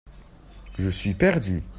Je suis perdu.